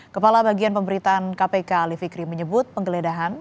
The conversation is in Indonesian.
kepala bagian pemberitaan kpk ali fikri menyebut penggeledahan